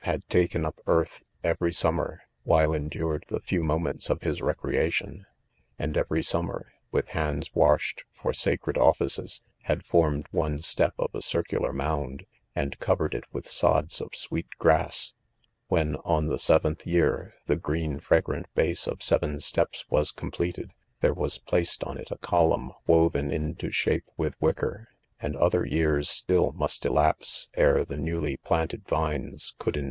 faad taken up earth every summer, while . endured the few .moments of his recreation ; .and every' summer., with hands .washed for sa cred offices, had" formed one step of a circular mound, and covered it with sods of "sweet grass. When, on the' seventh 1 fear ^ .the, .green, fragrant base of ' .seven steps wa s completed, there was placed on it a column woven into ^hape with wicker ; and other years still must 'elapse ere. the. newly planted vines : could eri